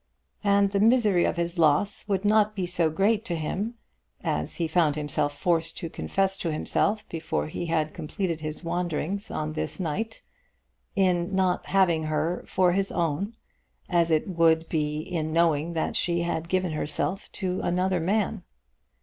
And the misery of his loss would not be so great to him, as he found himself forced to confess to himself before he had completed his wanderings on this night, in not having her for his own, as it would be in knowing that she had given herself to another man.